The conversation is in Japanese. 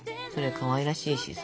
かわいらしいしさ。